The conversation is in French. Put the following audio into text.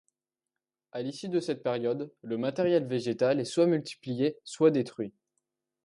À l'issue de cette période, le matériel végétal est soit multiplié soit détruit.